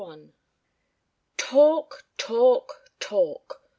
Talk. Talk.